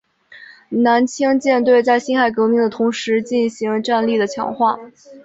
南清舰队在辛亥革命的同时进行战力的强化。